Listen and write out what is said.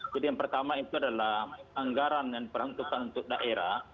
jadi yang pertama itu adalah anggaran yang diperhentukan untuk daerah